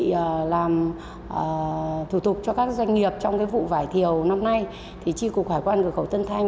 để làm thủ tục cho các doanh nghiệp trong cái vụ vải thiều năm nay thì tri cục hải quan cửa khẩu tân thanh